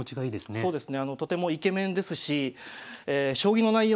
そうですね。